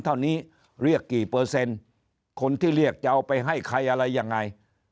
เท่านี้เรียกกี่เปอร์เซ็นต์คนที่เรียกจะเอาไปให้ใครอะไรยังไง